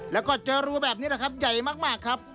แล้วก็เจอรูแบบนี้แหละครับใหญ่มากครับ